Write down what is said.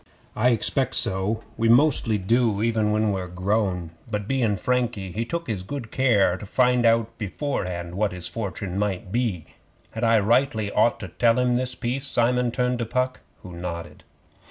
'I expect so. We mostly do even when we're grown. But bein' Frankie, he took good care to find out beforehand what his fortune might be. Had I rightly ought to tell 'em this piece?' Simon turned to Puck, who nodded.